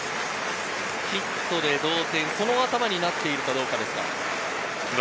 ヒットで同点、その頭になっているかどうか。